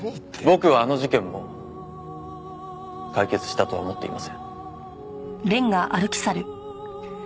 僕はあの事件も解決したとは思っていません。